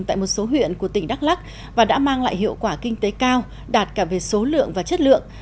tại một số huyện của tỉnh đắk lắc và đã mang lại hiệu quả kinh tế cao đạt cả về số lượng và chất lượng